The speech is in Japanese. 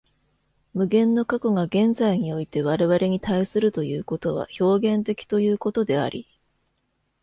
無限の過去が現在において我々に対するということは表現的ということであり、